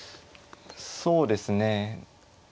そうですね。